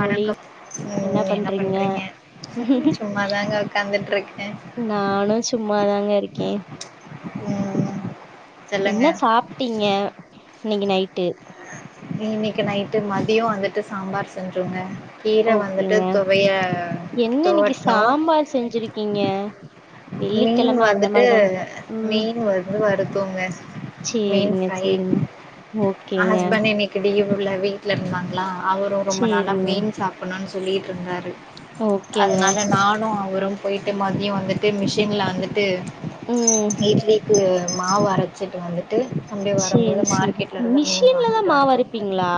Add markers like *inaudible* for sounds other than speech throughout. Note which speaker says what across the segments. Speaker 1: தோழி
Speaker 2: வணக்கம் ம் என்ன பண்றீங்க சும்மாதாங்க உக்காந்துட்டு இருக்கே
Speaker 1: நானு சும்மாதாங்க இருக்கே
Speaker 2: ம் ம்
Speaker 1: என்ன சாப்டீங்க இன்னிக்கு நைட்டு
Speaker 2: இன்னிக்கு நைட்டு மதியோ வந்துட்டு சாம்பார் செஞ்சோங்க கீர வந்துட்டு
Speaker 1: ஓகேங்க
Speaker 2: துவைய துவட்ணோ
Speaker 1: பா செஞ்சுருக்கீங்க
Speaker 2: மீன் வந்துட்டு
Speaker 1: ம்
Speaker 2: மீன் வந்து வருத்தோங்க மீன்
Speaker 1: சேரிங்க
Speaker 2: ஃப்ரை
Speaker 1: சேரிங்க ஓகேங்க
Speaker 2: க்கி லீவ் இல்ல வீட்ல இருந்தாங்களா அவரும் ரொம்ப நாளா
Speaker 1: சேரிங்க
Speaker 2: மீன் சாப்பிட்னும்னு சொல்லிட்டு இருந்தாரு
Speaker 1: ஓகேங்க
Speaker 2: அதனால நானும் அவரோ போயிட்டு மதியோ வந்துட்டு மிஷின்ல வந்துட்டு
Speaker 1: ம்
Speaker 2: இட்லிக்கு மாவு அரச்சிட்டு வந்து ட்டு அப்டியே வரம்போது
Speaker 1: சேரி சேரி
Speaker 2: மார்க்கெட்ல இருந்து மீன்
Speaker 1: மிஷின்லதா
Speaker 2: வாங்கிட்டு
Speaker 1: மாவு
Speaker 2: வன்ட்டோம்
Speaker 1: அரப்பீங்களா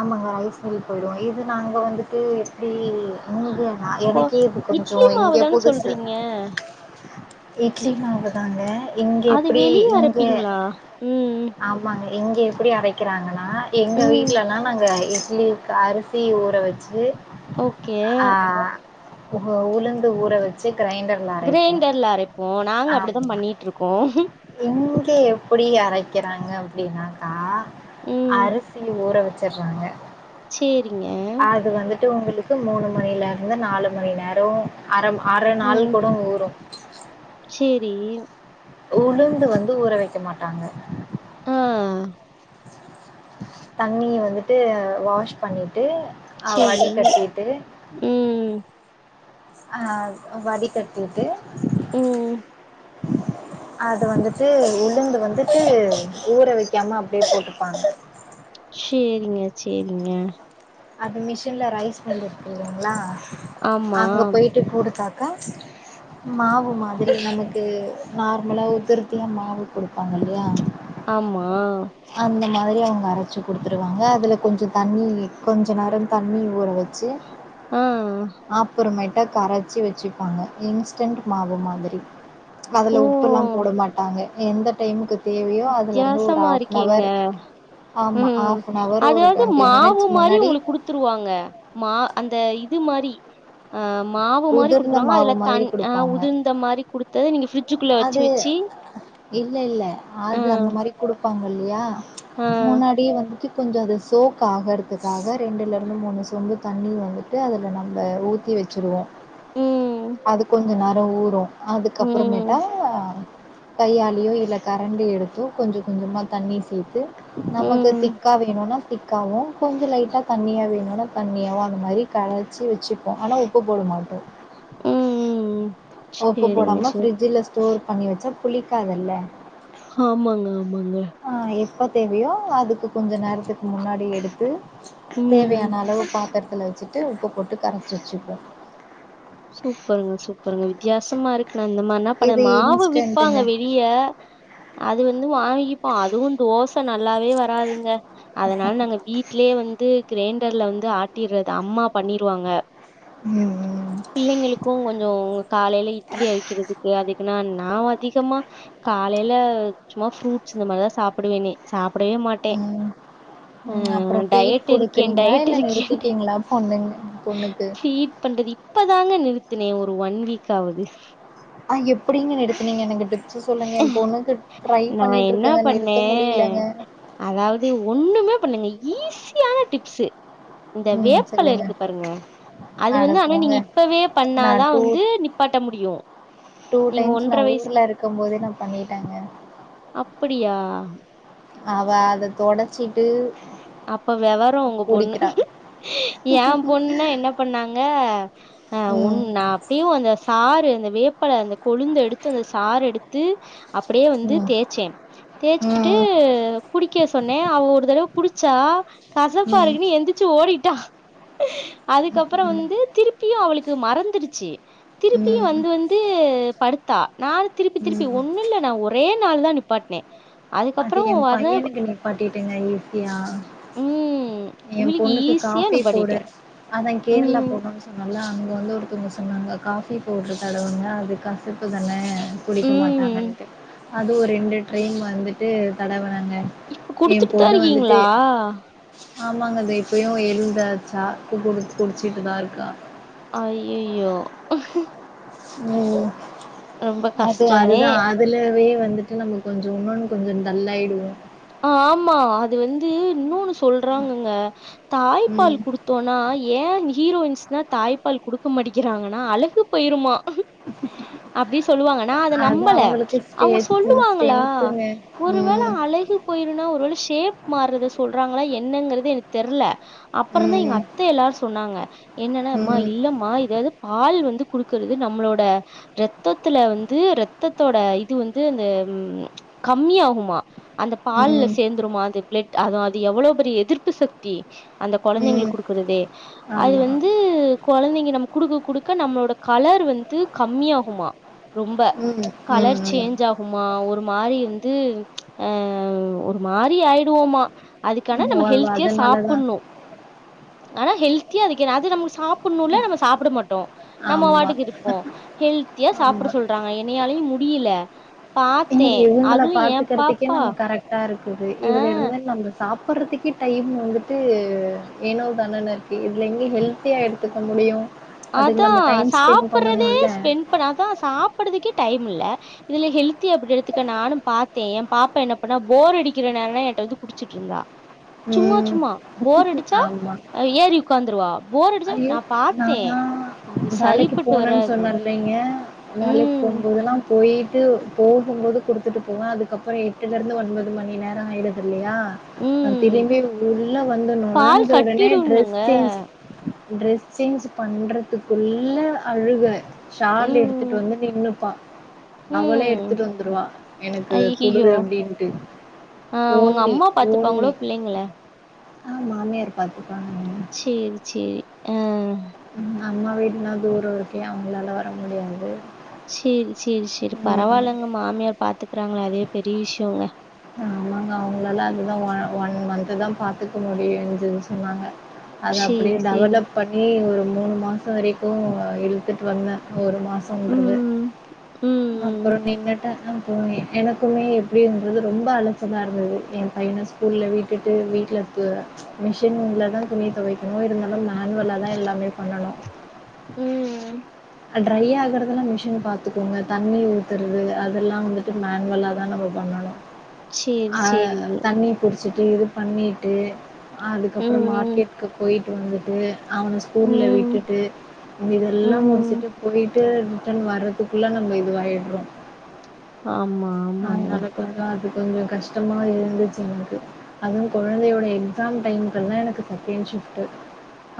Speaker 2: ஆமாங்க ஐஸ் உருக் போய்டோ இது நாங்க வந்துட்டு எப்டி இங்க நா எனக்கே இப்ப கொஞ்சோ இங்கே புதுசு
Speaker 1: ஏ
Speaker 2: இட்லி மாவு தாங்க இங்க
Speaker 1: அது
Speaker 2: எப்டி
Speaker 1: வெளிய
Speaker 2: இங்க
Speaker 1: அரப்பீங்களா ம்
Speaker 2: ஆமாங்க இங்க எப்டி அரைக்கிறாங்கன்னா எங்க
Speaker 1: ம்
Speaker 2: வீட்லலெல்லாம் நாங்க இட்லிக்கு அரிச் சி ஊற வச்சு
Speaker 1: ஓகே
Speaker 2: ஆ உ உளுந்து ஊற வச் சு கிரைண்டர்
Speaker 1: கிரைண்டர்ல அரைப்போம் நாங்க அப்படிதா பண்ணிட்ருக்கோ
Speaker 2: இங்க எப்டி அரைக்கிறாங்க அப்டின்னாக்கா
Speaker 1: ம்
Speaker 2: அரிசி ஊற வச் சிறாங்க
Speaker 1: சேரிங்க
Speaker 2: அது வந்துட்டு உங்களுக்கு த்து மூணு மணில இருந்து நாலு மணி நேரோ அர அர நாள்
Speaker 1: ம்
Speaker 2: கூட ஊறும்
Speaker 1: சேரி
Speaker 2: உளுந்து வந்து ஊற வைக்க மாட்டாங்க
Speaker 1: ம்
Speaker 2: தண்ணிய வந்துட்டு வாஷ் பண்ணிட்டு அ
Speaker 1: சேரி
Speaker 2: வடிகட்டிட்டு
Speaker 1: ம்
Speaker 2: ஆ வடிகட்டி இருக்கு
Speaker 1: ம்
Speaker 2: அது வந்துட்டு உளுந்து வந்துட்டு ஊற வைக்காம அப்படியே போட்ருப்பாங்க
Speaker 1: சேரிங்க சேரிங்க
Speaker 2: அது மிஷின்ல ரைஸ் மில் இருக்குங்களா
Speaker 1: ஆமா
Speaker 2: அங்க போயிட்டு குடுப்பா கா மாவு மாதிரி நமக்கு நார்மெலா உதுருத்தியா மாவு கொடுப்பாங்கல்ல
Speaker 1: ஆமா
Speaker 2: அந்த மாதிரி அவங்க அரச்சி கொடுத்துருவாங்க அதில கொஞ்ச தண்ணி கொஞ்ச நேரம் தண்ணி ஊற வச் ச்சு
Speaker 1: ஆ
Speaker 2: ஆ அப்புறமேய்ட்டு கரச்சி வெச்சுப்பாங்க இன்ஸ்டண்ட் மாவு மாதிரி
Speaker 1: ஓ
Speaker 2: அதுல உப்புல்லாம் போட மாட்டாங்க எந்த டைமுக்கு தேவையோ அதுல இருந்து ஒரு ஆஃப் அன்
Speaker 1: ஓகேங்க
Speaker 2: ஹவர் ஆமாம்
Speaker 1: ம்
Speaker 2: ஆஃப் அன் ஹவர்
Speaker 1: அது
Speaker 2: ஒரு
Speaker 1: வந்து
Speaker 2: டுவெண்ட்டி
Speaker 1: மாவு
Speaker 2: மினிட்ஸ்
Speaker 1: மாரி
Speaker 2: முன்னாடி
Speaker 1: உங்களுக்கு குடுத்துருவாங்க மா அந்த இது மாரி ஆ மாவு மாரி
Speaker 2: உதிர்ந்த
Speaker 1: குடுத்துருவாங்க
Speaker 2: மாவு
Speaker 1: அதுல
Speaker 2: மாதிரி
Speaker 1: தண் ஆ
Speaker 2: கொடுப்பாங்க
Speaker 1: உதிர்ந்த மாரி குடுத்து நீங்க ஃப்ரிட்ஜுக்குள்ள வெச்சு
Speaker 2: அது
Speaker 1: வெச்சு
Speaker 2: இல்ல இல்ல அது அந்த மாரி குடுப்பாங்க இல்லையா
Speaker 1: ஆ
Speaker 2: முன்னாடியே வந்துட்டு கொஞ்சம் அது சோக் ஆகுறதுக்காக ரெண்டுலருந்து மூணு சொம்பு தண்ணி வந்துட்டு அதில நம்ம ஊத் தி வெச்சுருவோம்
Speaker 1: ம்
Speaker 2: அது கொஞ்ச நேரம் ஊறும் அதுக்கப்பேறமேட்டா
Speaker 1: ம்,
Speaker 2: கையாலியோ இல்ல கரண்டி எடுத்தோ கொஞ்சம் கொஞ்சமா தண்ணி சேத்து நமக்கு
Speaker 1: ம்,
Speaker 2: திக்கா வேணுன்னா திக்காவவும் கொஞ்சம் லைட்டா தண்ணியா வேணும்னா தண்ணியாவும் அந்த மாரி கரச்சி வெச்சுப்போம் ஆனா உப்பு போட மா
Speaker 1: ம்.
Speaker 2: உப்பு
Speaker 1: சரிங்க,
Speaker 2: போடாம
Speaker 1: சரி.
Speaker 2: ஃப்ரிட்ஜ்ல ஸ்டோர் பண்ணி வெச்சா புளிக்காதுல்ல
Speaker 1: ஆமாங்க ஆமாங்க
Speaker 2: ஆ எப்போ தேவையோ அதுக்கு கொஞ்சம் நேரத்துக்கு முன்னாடி எடுத்து
Speaker 1: ம்.
Speaker 2: தேவையான அளவு பாத்தறத்துல வெச்சுட்டு உப்பு போட்டு கரச்சு வெச்சுப்போம்
Speaker 1: சூப்பருங்க சூப்பருங்க வித்தியாசமா இருக்கு நான் இந்த மாரினா பண்ண
Speaker 2: இது
Speaker 1: மாவு விப்பாங்க
Speaker 2: இன்ஸ்டன்ட்டுங்க
Speaker 1: வெளி யா அது வந்து வாங்கிப்போ அதுவு தோ சா நல்லாவே வராதுங்க அதனால நாங்க வீட் லயே வந்து கிரைண்டர்ல வந்து ஆட்டிர்றது அம்மா பண்ணிருவாங்க
Speaker 2: ம் ம்
Speaker 1: பிள்ளைங்களுக்கு கொஞ்ச காலையில இட்லி அவிக்கிறதுக்கு அதுக்குன்னா நா அதிகமா காலலே சும்மா ஃப்ரூட்ஸ் இந்த மாரி தா சாப்பிடுவேன்னு சாப்டவே மாட்டே
Speaker 2: ம்
Speaker 1: ஆ
Speaker 2: ம் அப்புறம் ஃபீட்
Speaker 1: டயட் இருக்கேன்
Speaker 2: கொடுக்குறீங்களா
Speaker 1: டயட்
Speaker 2: இல்லை
Speaker 1: இருக்கேன்டு
Speaker 2: நிறுத்திட்டீங்களா பொண்ணுங்க பொண்ணுக்கு
Speaker 1: பண்றது இப்பதாங்க நிறுத்துனே ஒரு ஒன் வீக் ஆவுது
Speaker 2: ஆ எப்டிங்க நிருத்துனீங்க நின்கிட்டு சு சொல்லுங்க என் பொண்ணுக்கு ட்ரை
Speaker 1: நான்
Speaker 2: பண்ணிட்டு
Speaker 1: என்ன
Speaker 2: இருக்கங்க நிறுத்த
Speaker 1: பண்ணேன்,
Speaker 2: முடியலங்க
Speaker 1: அதாவது ஒண்ணுமே பண்ணுங்க ஈஸியான டிப்ஸு இந்த
Speaker 2: ம்
Speaker 1: வேப்பல
Speaker 2: சொல்லுங்கள்
Speaker 1: இருக்கு பாருங்க அது
Speaker 2: அட
Speaker 1: வந்து ஆனா
Speaker 2: போங்க
Speaker 1: நீங்க இப்பவே
Speaker 2: நான்
Speaker 1: பண்ணாதா
Speaker 2: டூ
Speaker 1: வந்து நிப்பாட்ட முடியும்
Speaker 2: டூ
Speaker 1: நீங்க
Speaker 2: டைம்ஸ் நா
Speaker 1: வயசு
Speaker 2: ஊர்ல இருக்கும் போதே நா பண்ணிட்டங்க
Speaker 1: அப்டியா
Speaker 2: அவ அத தொடச்சிட்டு
Speaker 1: அப்ப விவரோ உங்க பொண்ணு
Speaker 2: குடிக்கிறா
Speaker 1: எ பொண்ணுனா என்ன பண்ணாங்க ஆ ஒன்
Speaker 2: ம்
Speaker 1: நா அப்புயூ அந்த சாறு அந்த வேப்பல அந்த கொழுந்து எடுத்து அந்த சாறு எடுத்து அப்டியே வந்து
Speaker 2: ம்
Speaker 1: தேய்ச்சே தேய்ச்சுட்டு
Speaker 2: ம்
Speaker 1: குடிக்க சொன்னே அவ ஒரு தடவ ச்சா கசப்பாருக்குன்னு எந்திரச்சு ஓடிட்டா அதுக்கப்பரோ வந்து திரிப் திருப்பியு அவளுக்கு மறந்துருச்சு திருப்பியு
Speaker 2: ம் ம்
Speaker 1: வந்து வந்து படுத்தா நா திருப்பி
Speaker 2: ம்
Speaker 1: திருப்பி ஒன்னு இல்ல நா ஒரே நாள் தா நிப்பாட்னே அதுக்கப்பரோ வர
Speaker 2: பட்டட்டேங்க ஈஸியா
Speaker 1: ம்
Speaker 2: எ
Speaker 1: இவளுக்கு
Speaker 2: பொண்ணுக்கு
Speaker 1: ஈஸியா
Speaker 2: காபி
Speaker 1: நிப்பாட்டிட்டே
Speaker 2: போவுடர் அதா கேரளா
Speaker 1: ம்
Speaker 2: போனு அத நால அங்க வந்து ஒருத்தங்க சொன்னாங்க காபி பவுடரு தடவுங்க அது கசப்பு தானே குடிக்க
Speaker 1: ம்
Speaker 2: மாட்டாங்க *unintelligible* அது ஒரு ரெண்டு ட்ரெயின் வந்துட்டு தடவுனக எ பொண்ணு வந்துட்டு
Speaker 1: ஆ
Speaker 2: ஆமாங்க அது எப்பயு எழுந்தாச்சா ப்பு கு குடிச்சிட்டுதா இருக்கா
Speaker 1: அய்யய்யோ
Speaker 2: ம்
Speaker 1: ரொம்ப
Speaker 2: அது
Speaker 1: கஷ்டமே
Speaker 2: அதுதா அதுலவே வந்துட்டு நம்ம கொஞ்சோ ஒணொன்னு கொஞ்ச டல் ஆயிருவோ
Speaker 1: ஆமா அது வந்து இன்னொனு சொல்றாங்கங்க தாய்ப்பால்
Speaker 2: ம்
Speaker 1: குடுத்து தோனா ஏ ஹீரோயின்ஸ்னா தாய்ப்பால் குடுக்க மாட்டிக்கிறாங்கன்னா அழகு போய்ருமா
Speaker 2: *inaudible*
Speaker 1: அப்டி சொல்லுவாங்க நா அத
Speaker 2: அது
Speaker 1: நம்பல
Speaker 2: அவங்களுக்கு
Speaker 1: அவுங்க
Speaker 2: ஸ்டேத்து
Speaker 1: சொல்லுவாங்களா
Speaker 2: ஸ்ட்ரென்த்துங்க
Speaker 1: ஒருவேள
Speaker 2: ம்
Speaker 1: அழகு போயிரும்னா ஒருவேல ஷேப் மாறத சொல்றாங்களா என்னங்கறது எனக்கு தெர்ல அப்றோ தா எங்க
Speaker 2: ம்
Speaker 1: அத்தை எல்லாரு சொன்னாங்க என்னனு மா
Speaker 2: ம்
Speaker 1: இல்லம்மா இத பால் வந்து குடுக்கறது நம்ளோட ரத்தத்துல வந்து ரத்தத்தோட இது வந்து அந்த உம் கம்மியாகுமா அந்த பால்ல
Speaker 2: ம்
Speaker 1: சேர்ந்துருமா அந்த பிளட் அத அது எவ்வளவு பெரிய எதிர்ப்பு சக்தி அந்த கொழந்தைங்களுக்கு
Speaker 2: ம்
Speaker 1: கொடுக்குதே அது
Speaker 2: ஆமா
Speaker 1: வந்து கொழந்தைங்க நம்ம குடுக்க குடுக்க நம்மளோட கலர் வந்து கம்மியாகுமா ரொம்ப
Speaker 2: ம்
Speaker 1: கலர்
Speaker 2: ம்
Speaker 1: சேஞ்ச் ஆகு மா ஒரு மாரி வந்து அ ஒரு மாரி ஆயிடுவோ அதுக் ஆன
Speaker 2: ம்
Speaker 1: நம்ம
Speaker 2: ஓ
Speaker 1: ஹெல்த்தியா
Speaker 2: அதனாலதா
Speaker 1: சாப்பிடுணு ஆனா ஹெல்த்தியா *unintelligible* அது நமக்கு ண்ணுல நம்ம சாப்புட மாட்டோ நம்ம
Speaker 2: ஆமா
Speaker 1: வாட்டுக்கு இருப்போ ஹெல்த்தியா சாப்ட
Speaker 2: ஆமா
Speaker 1: சொல்றாங்க னையாலையு முடியல
Speaker 2: இங்க
Speaker 1: பாத்தே
Speaker 2: இவங்கல
Speaker 1: அதுவு ஏ
Speaker 2: பாத்துக்கறிறதுக்கே
Speaker 1: பாப்பா
Speaker 2: நம்ம கரெக்ட்டா இருக்குது இதுல
Speaker 1: ஆ
Speaker 2: இருந்து நம்ம சாப்பிட்றதுக்கே டைம்மு வந்துட்டு ஏனோ தண்டன்னு இருக்கு இதில எங்கே ஹெல்த்தியா எடுத்துக்க முடியு
Speaker 1: அதா சாப்பறதே ஸ்பெண்ட் தான் சாப்படுறதுக்கே டைம் இல்ல இதுல ஹெல்தி எப்டி எடுத்துக்க நானும் பாத் என் பாப்பா என்ன பண்ணா போர் அடிக்கிற நேரம்லா என்கிட்ட வந்து குடிச்சிட்டு இருந்தா சும்மா
Speaker 2: ம்.
Speaker 1: சும்மா போர் அடிச்சா
Speaker 2: ஆமா.
Speaker 1: ஏறி உட்காந்துருவா போர் அடிச்சா நான் பா
Speaker 2: ஆ வேலைக்கு போறேன்னு சொன்னே இல்லைங்க வேலைக்கு
Speaker 1: ம்
Speaker 2: போகும்போதெல்லாம் போயிட்டு போகும்போது குடுத்துட்டு போவே அதுக்கப்புரோ இதல இருந்து ஒன்பது மணி நேரம் ஆயிடுது இல்லையா
Speaker 1: ம்
Speaker 2: திரும்பி உள்ள வந்து
Speaker 1: பால்
Speaker 2: நுழைஞ்ச உடனே ட்ரஸ்
Speaker 1: கட்டிடும்லங்க
Speaker 2: சேஞ்ச் டிரெஸ் சேஞ்ச் பண்றதுக்குள்ள அழுக ஷால் எடுத்துட்டு
Speaker 1: ம்
Speaker 2: வந்து நின்னுப்பா அவளே
Speaker 1: ம்
Speaker 2: எடுத்துட்டு வந்துருவா எனக்கு குடு
Speaker 1: ஐய்யய்யோ
Speaker 2: அப்டின்ட்டு
Speaker 1: ஆ உங்க
Speaker 2: ஓட்னி
Speaker 1: அம்மா
Speaker 2: ஓன்னி
Speaker 1: பாத்துப்பாங்களோ பிள்ளைங்கள
Speaker 2: ஆ மாமியார் பாத்துப்பாங்க
Speaker 1: சேரி சேரி ஆ
Speaker 2: ம் அம்மா வீடுன்னா தூரோ இருக்கே அவங்களலாம் வர முடியாது
Speaker 1: சேரி சேரி சேரி
Speaker 2: ம்
Speaker 1: பரவாயில்லங்க மாமியார் பாத்துக்கிறாங்கள்ல அதே பெரிய விஷ்யோங்க
Speaker 2: ஆமாங்க அவங்களால அதுதான் ஒன் மந்த்த் தான் பாத்துக்க முடியும்து சொன்னாங்க அது அப்டியே
Speaker 1: சேரி சேரி
Speaker 2: டெவலப் பண்ணி ஒரு மூணு மாசம் வரைக்கு இழுத்துட்டு வந்தே ஒரு மாசன்றது
Speaker 1: ம் ம்
Speaker 2: அப்றோ நின்னுட்டே அப்றோ எனக்குமே எப்டின்றது ரொம்ப அலச்சலா இருந்தது ஏ பையன ஸ்கூல்ல விட்டுட்டு வீட்ல து மிஷின்லதா துணி துவைக்கணு இருந்தாலு மேனுவலா தா எல்லாமே பண்ணணு
Speaker 1: ம்
Speaker 2: ட்ரை ஆகுறதெல்லா மிஷின் பாத்துக்கோங்க தண்ணி ஊத்துறது அதெல்லா வந்துட்டு மேனுவல தா நம்ம பண்ணணும்
Speaker 1: சேரி
Speaker 2: அ
Speaker 1: சேரிங்க
Speaker 2: தண்ணி புடுச்சுட்டு இது பண்ணிட்டு அதுக்கப்றோ
Speaker 1: ம்
Speaker 2: மார்க்கெட்டுக்கு போயிட்டு வந்துட்டு அவன ஸ்கூல்ல
Speaker 1: ம்
Speaker 2: விட்டுட்டு இதெல்லா முடிச்சுட்டு
Speaker 1: ம்
Speaker 2: போயிட்டு ரிட்டன் வர்றதுக்குள்ள நம்ம இதுவாயிட்றோ
Speaker 1: ஆமா ஆமாங்க
Speaker 2: அப்பதான் அது கொஞ்சோ கஷ்டமா இருந்துச்சு எனக்கு அதுவு கொழந்தையோட எக்ஸாம் டைமுக்குல்லா எனக்கு செகண்ட் ஷிப்ட்டு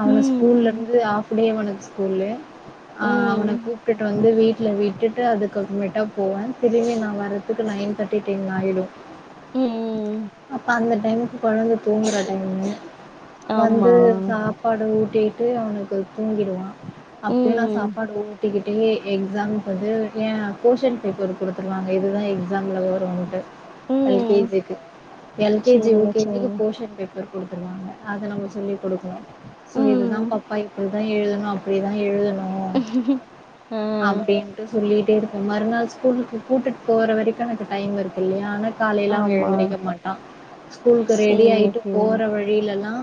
Speaker 2: அவன
Speaker 1: ம்
Speaker 2: ஸ்கூல்ல இருந்து ஆஃப டே அவனுக்கு ஸ்கூல்லு ஆ அவன
Speaker 1: ம்
Speaker 2: கூட்டிட்டு வந்து வீட் ல விட்டுட்டு அதுக்கப்றோ போவே திரும்பி நா வர்றதுக்கு நைன் தேர்ட்டி டென் ஆயிடு
Speaker 1: ம் ம்.
Speaker 2: அப்ப அந்த டைமுக்கு கொழந்த தூங்குற டைம்மு
Speaker 1: ஆமா
Speaker 2: வந்து சாப்பாடு ஊட்டிட்டு அவனுக்கு தூங்கிடுவா அப்பயே நா
Speaker 1: ம்
Speaker 2: சாப்பாடு ஊட்டிக்கிட் ஏ ஐ எக்ஸாம்க்கு வந்து ஏ போஷன் பேப்பர் குடுத்துருவாங்க இதுதான் எக்ஸாம்ல்ல வருன்ட்டு எல் கே
Speaker 1: ம்
Speaker 2: ஜிக்கு எல் கே ஜி யு
Speaker 1: சேரிங்க
Speaker 2: கே ஜிக்கு
Speaker 1: சேரிங்க
Speaker 2: போஷன் பேப்பர் குடுத்துருவாங்க அத நாம சொல்லி குடுக்கணு சோ இதுதான்
Speaker 1: ம்
Speaker 2: தப்பாய் போது தா எழுதணு அப்டிதான் எழுதணு
Speaker 1: ஆ
Speaker 2: அப்டின்னு கூட் சொல்லிட்டே இருக்கணு மறுநாள் ஸ்கூலுக்கு கூட்டிட்டு போற வரைக்கு எனக்கு டைம் இருக்கு இல்லையா ஆனா காலைல அவே
Speaker 1: ஆமா
Speaker 2: எழுந்த்ரிக்க மாட்டா ஸ்கூலுக்கு ரெடி
Speaker 1: சேரிங்க
Speaker 2: ஆயிட்டு
Speaker 1: சேரிங்க
Speaker 2: போற வழிலெல்லா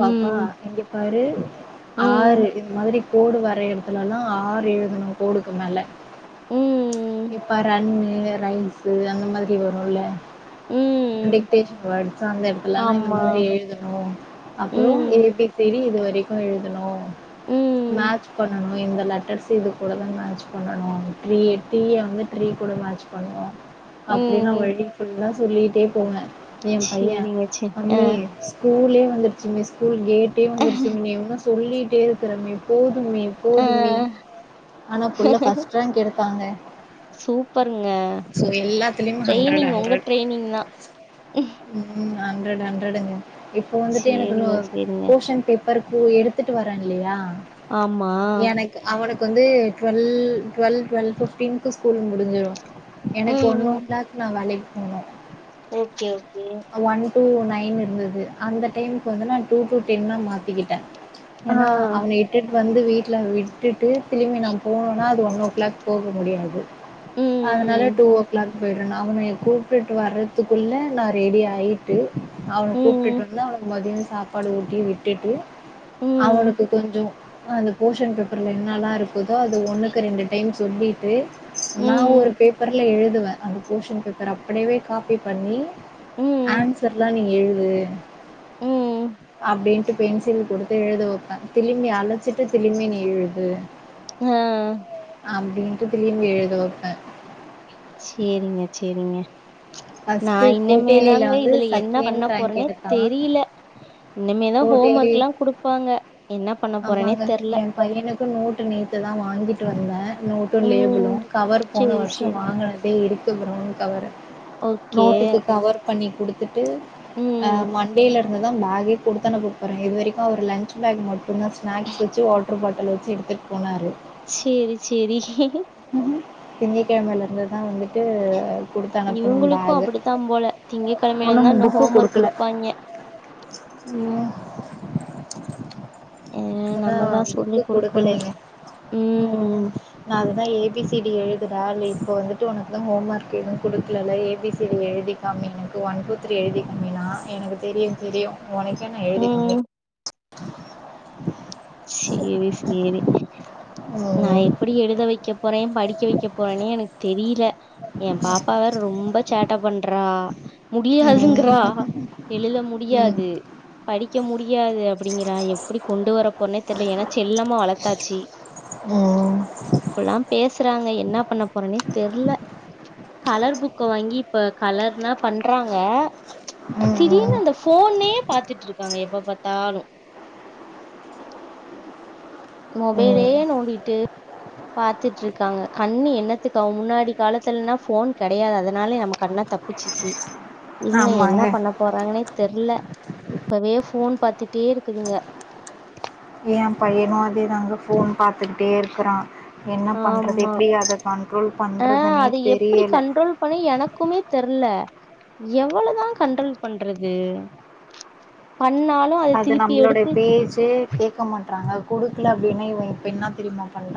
Speaker 2: பாப்பா இங்க பாரு
Speaker 1: ம்
Speaker 2: ஆறு இந்த மாதிரி கோடு வரையற இடத்துல எல்லா ஆர் எழுதணு கோடுக்கு மேல
Speaker 1: ம்
Speaker 2: இப்ப ரன்னு ரைம்ஸு அந்த மாதிரி வரும்ல
Speaker 1: ம்
Speaker 2: டிக்டேஷன் வேர்ட்ஸ் அந்த எடத்துலெல்லா இந்த
Speaker 1: ஆமா
Speaker 2: மாதிரி எழுதணு அப்புறோ ஏ
Speaker 1: ம்.
Speaker 2: பி சி டி இது வரைக்கு எழுதணு
Speaker 1: ம்.
Speaker 2: மேட்ச் பண்ணனு இந்த லெட்டர்ஸ் இது கூட தான் மேட்ச் பண்ணனு ட்ரீ டீய வந்து ட்ரீ கூட மேட்ச் பண்ணுவோ அப்டி நா
Speaker 1: ம்.
Speaker 2: வழி ஃபுல்லா தான் சொல்லிட்டே போவே ஏ பையே
Speaker 1: சரிங்க, சரி. ஆ.
Speaker 2: அம்மி ஸ்கூலே வந்துருச்சு மி ஸ்கூல் கேட்டே வந்துருச்சு மீ இன்னு சொல்லிகிட்டே இருக்கிற மீ போதும் மீ
Speaker 1: ஆ.
Speaker 2: போதும் மீ ஆனா புள்ள ஃபஸ்ட் ரேங்க் எடுத்தாங்க
Speaker 1: சூப்பர்ங்க
Speaker 2: ஸோ எல்லாத்துலேயுமே ஹண்ட்ரட்
Speaker 1: ட்ரெயினிங் ஒங்க
Speaker 2: ஹண்ட்ரட்
Speaker 1: ட்ரெயினிங் தா
Speaker 2: ம் அண்ரட் அண்ரட்ங்க இப்போ வந்துட்டு எனக்கோரு
Speaker 1: சரிங்க, சரிங்க.
Speaker 2: போஷன் பேப் பருப்பு எடுத்துட்டு வரேன் இல்லயா
Speaker 1: ஆமா
Speaker 2: அவனுக்கு வந்து டுவெல் டுவெல் டுவெல் பிஃப்டீனுக்கு ஸ்கூல் முடிஞ்சிரூ எனக்கு ஒண்ணோ
Speaker 1: ம்.
Speaker 2: கிளாக் நா வேலைக்கு போனோ
Speaker 1: okay okay
Speaker 2: one two nine இருந்தது அந்த டைமுக்கு வந்து நான் டூ டூ டென்னா மாத்திக்கிட்டே
Speaker 1: ஆ.
Speaker 2: ஏன்னா அவுங்க எப் கேட்டு வந்து வீட்ல விட்டுட்டு திரும்பி நா போனூனா அது ஒன் ஓ கிளாக் போக முடியாது அதனால
Speaker 1: ம்.
Speaker 2: போயடு அவன கூப்ட்டு வரறதுக்குள்ள நா ரெடி ஆயிட் ட்டு அவன கூப்டுட்டு
Speaker 1: ம்.
Speaker 2: வந்து அவனுக்கு மதியம் சாப்பாடு ஊட்டி விட்டுட்டு
Speaker 1: ம்.
Speaker 2: அவனுக்கு கொஞ்சோ அந்த போஷன் பேப்பர் ரெண்டு நாளா இருக்குதா அது ஒன்னுக்கு ரெண்டு டைம் சொல்லிட்டு நா ஒரு
Speaker 1: ம்.
Speaker 2: பேப்பர்ல எழுதுவே அந்த போஷன் பேப்பர அப்டியவே காபி பண்ணி
Speaker 1: ம்.
Speaker 2: அன்சர்லா நீ எழுது
Speaker 1: ம்.
Speaker 2: அப்டின்ட்டு பென்சில் குடுத்து எழுத வப்பே திலிமி அலச்சிட்டு திலிம்பி நீ எழுது
Speaker 1: அ
Speaker 2: அப்டின்டு திலிமி எழுதவப்பே
Speaker 1: சேரிங்க சேரிங்க நா
Speaker 2: ஃபஸ்ட்டு கோட்டேலியில்
Speaker 1: இனிமேதாங்க
Speaker 2: வந்து
Speaker 1: இதுல என்ன பண்ண
Speaker 2: செகண்ட் ரேங்க்
Speaker 1: போறேனே
Speaker 2: எடுத்தான்
Speaker 1: தெரில இனிமேதா ஹோம்
Speaker 2: கோட்டையிலே
Speaker 1: ஒர்க் லா குடுப்பாங்க என்ன பண்ண போறேன்னே
Speaker 2: ஆமாங்க
Speaker 1: தெர்ல.
Speaker 2: எ பையனுக்கு நோட்டு நேத்துதா வாங்கிட்டு வந்தே நோட் ட்டூ லேபிலு
Speaker 1: ம்.
Speaker 2: கவர் போன
Speaker 1: சரி,
Speaker 2: வருஷோ
Speaker 1: சரி.
Speaker 2: வாங்னதே இருக்கு பிரவுன் கவர்
Speaker 1: ஓகே.
Speaker 2: நோட்டுக்கு கவர் பண்ணி குடுத்துட்டு அ
Speaker 1: ம்.
Speaker 2: மண்டேல இருந் இன்னூ தா பகே குடுத்து அனுப்ப போறே இது வரைக்கு அவர் லன்ச் பேக் மட்டு சும்மா ஸ்நாக்ஸ் வச்சு வாட்டர் பாட்டில் வச்சி எடுத்துட்டு போனாரு
Speaker 1: சேரி சேரி
Speaker 2: திங்கக்கெழமயில இருந்துதா வந்துட்டு கொடுத்து அனுப்பணும்
Speaker 1: இவுங்களுக்கு
Speaker 2: பேகு
Speaker 1: அப்டித்தா போல திங்க கெழமையா இருந்தா இன்னு ஹோம் ஒர்க் குடுப்பாய்ங்க
Speaker 2: உம்
Speaker 1: அ நம்ம தான்
Speaker 2: *unintelligible* புக்கு
Speaker 1: சொல்லிக் குடுக்கணும்.
Speaker 2: குடுக்கலைங்க உம்
Speaker 1: ம்.
Speaker 2: நாங்க தா ஏபிசிடி எழுதுறா இப்போ வந்துட்டு உனக்கு தா ஹோம் ஒர்க் எதுவு குடுக்கலல ஏபிசிடி எழுதி மம்மி எனக்கு ஒன் டூ த்ரீ எழுதி காமினா எனக்கு தெரியு தெரியு ஒனக்கே நா எழுதி காமி
Speaker 1: ம். சேரி சேரி நா
Speaker 2: ம்
Speaker 1: எப்டி எழுத வைக்க குறையு படிக்க வைக்க போறேனே எனக்கு தெரியல ஏ பாப்பாவ ரொம்ப சேட்ட பண்றா
Speaker 2: ம் ம்
Speaker 1: முடியாதுங்றா எழுத முடியாது படிக்க முடியாது அப்டிங்றா எப்டி கொண்டு வர போறனே தெர்ல ஏனா செல்லமா வளத்தாச்சு
Speaker 2: உம்
Speaker 1: இப்பல்லா பேசுறாங்க என்ன பண்ண போறேனே தெர்ல கலர் புக்க வாங்கி இப்ப கலர்னா பண்றாங்க
Speaker 2: ம்
Speaker 1: திடீர்னு அந்த ஃபோன்னே பாத்துட்டு இருக்காங்க எப்ப பாத்தாலு மொபைலே
Speaker 2: ம்
Speaker 1: நோண்டிட்டு பாத்துட்டு இருக்காங்க கண்ணு என்னத்து ஆவு முன்னாடி காலத்துலனா ஃபோன் கெடயாது அதனாலே நம்ம கண்ண தப்பிச்சிச்சு
Speaker 2: *inaudible*
Speaker 1: இவுங்க என்ன
Speaker 2: ஆமாங்க
Speaker 1: பண்ண போறாங்னே தெர்ல இப்பவே ஃபோன் பாத்துட்டே இருக்குதுங்க
Speaker 2: எ பையனு அதே தாங்க ஃபோன் பாத்துகிட்டேருக்றா என்ன பண்றது
Speaker 1: ஆமா
Speaker 2: எப்டி அத கன்ட்ரோல் பண்றதுன்னே தெரியல்ல
Speaker 1: பண்ணே எனக்குமே தெர்ல எவ்ளதா கன்ட்ரோல் பண்றது பண்ணால்
Speaker 2: அது நம்ளோடைய பேச்சே கேக்க மாட்றாங்க குடுக்ல அப்டின்னா இவங் இப்ப இன்னா தெரிமா பண்றா